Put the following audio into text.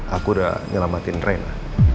aku udah nyelamatin reina